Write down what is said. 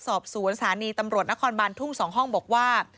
สอบสวนสถานีตำรวจนครบานทุ่ง๒ห้องบอกว่า